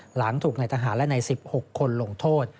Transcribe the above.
หลังถูกในทหารและใน๑๖คนลงโทษ